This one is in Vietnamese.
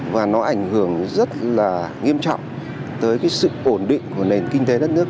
và nó ảnh hưởng rất là nghiêm trọng tới cái sự ổn định của nền kinh tế đất nước